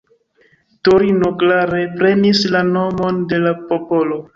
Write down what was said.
Torino klare prenis la nomon de la popolo.